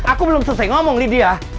aku belum selesai ngomong lydia